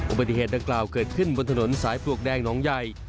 อุบัติเหตุดังกล่าวเกิดขึ้นบนถนนสายปลวกแดงหนองใหญ่